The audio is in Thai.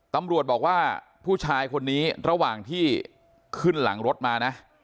ตำรวจบอกว่าผู้ชายคนนี้ระหว่างที่ขึ้นหลังรถมานะ